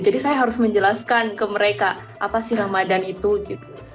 jadi saya harus menjelaskan ke mereka apa sih ramadan itu gitu